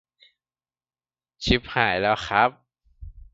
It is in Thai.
ชิบหายแล้วครับ